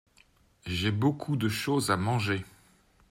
J’ai beaucoup de choses à manger.